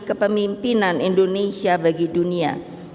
kepemimpinan indonesia bagi dunia